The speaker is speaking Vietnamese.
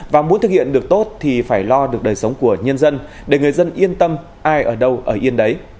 và muốn thực hiện được tốt thì phải lo được đời sống của nhân dân để người dân yên tâm ai ở đâu ở yên đấy